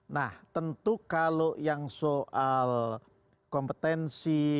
nah tentu kalau yang soal kompetensi